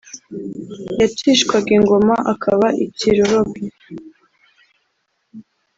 yacishwaga ingoma akaba ikiroroge